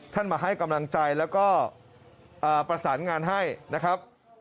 มาให้กำลังใจแล้วก็ประสานงานให้นะครับ